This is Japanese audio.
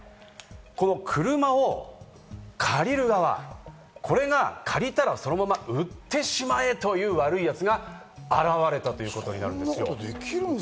この車を借りる側、これが借りたら、そのまま売ってしまえという悪い奴が現れたということなんですよ。